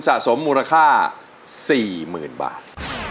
จะสมมูลค่าสี่หมื่นบาท